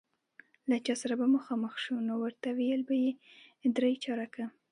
له چا سره به مخامخ شو، نو ورته ویل به یې درې چارکه.